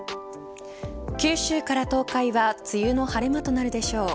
九州から東海は梅雨の晴れ間となるでしょう。